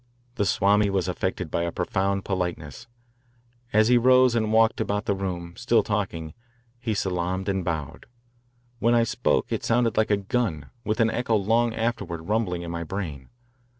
The Swami was affected by a profound politeness. As he rose and walked about the room, still talking, he salaamed and bowed. When=20 I spoke it sounded like a gun, with an echo long afterward rumbling in my brain.